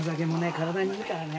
体にいいからね。